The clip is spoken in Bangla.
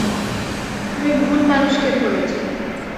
তুমি ভুল মানুষকে ধরেছ।